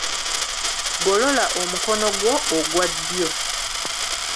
Golola omukono gwo ogwa ddyo.